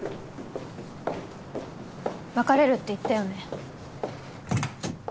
別れるって言ったよね？